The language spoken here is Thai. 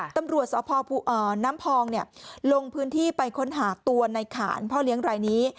ตำรวจสพน้ำพองลงพื้นที่ไปค้นหาตัวในขานพ่อเลี้ยงรายนี้